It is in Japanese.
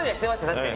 確かに。